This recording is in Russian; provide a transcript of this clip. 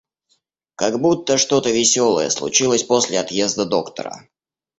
Как будто что-то веселое случилось после отъезда доктора.